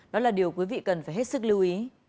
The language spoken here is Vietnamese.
đó là điều quý vị cần phải hết sức lưu ý